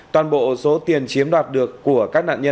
toàn bộ số tiền chiếm đoạt được của các nạn nhân